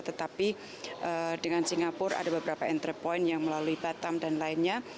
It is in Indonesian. tetapi dengan singapura ada beberapa entry point yang melalui batam dan lainnya